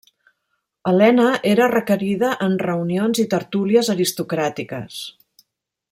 Elena era requerida en reunions i tertúlies aristocràtiques.